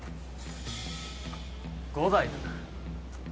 伍代だな。